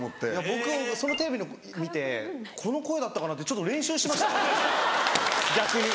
僕そのテレビの見てこの声だったかな？ってちょっと練習しました逆に。